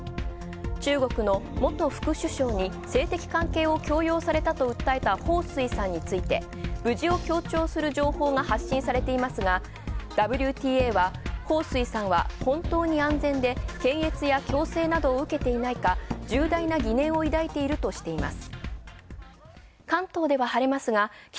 中国の元副首相に性的関係を強要されたと訴えた彭帥さんについて、無事を強調する情報が発信されていますが、彭帥さんは本当に安全で検閲や強制などを受けていないか重大な疑念を抱いているとしています。